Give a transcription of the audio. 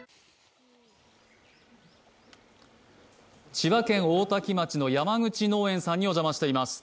千葉県大多喜町の山口農園さんにお邪魔しています。